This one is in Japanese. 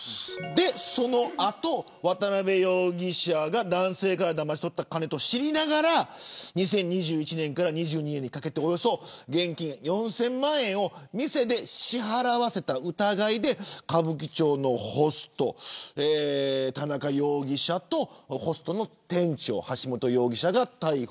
その後、渡邊容疑者が男性からだまし取った金と知りながら２０２１年から２２年にかけておよそ現金４０００万円を店で支払わせた疑いで歌舞伎町のホスト田中容疑者とホストの店長橋本容疑者が逮捕。